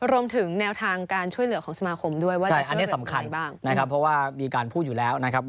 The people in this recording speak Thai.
รวมถึงแนวทางการช่วยเหลือของสมาคมด้วยว่าอะไรอันนี้สำคัญบ้างนะครับเพราะว่ามีการพูดอยู่แล้วนะครับ